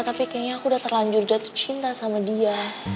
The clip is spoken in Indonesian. tapi kayaknya aku udah terlanjur jatuh cinta sama dia